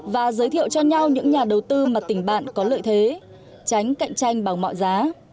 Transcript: và giới thiệu cho nhau những nhà đầu tư mà tỉnh bạn có lợi thế tránh cạnh tranh bằng mọi giá